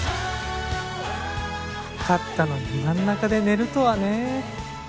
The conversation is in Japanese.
勝ったのに真ん中で寝るとはね。